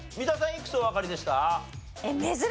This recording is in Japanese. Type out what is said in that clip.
いくつおわかりでした？